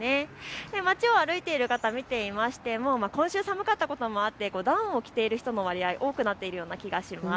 街を歩いている方、見ていましても今週寒かったこともあってダウンを着ている人の割合多くなっているような気がします。